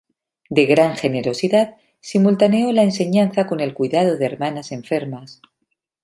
De gran generosidad, simultaneó la enseñanza con el cuidado de hermanas enfermas.